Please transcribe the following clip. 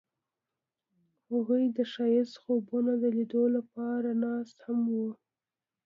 هغوی د ښایسته خوبونو د لیدلو لپاره ناست هم وو.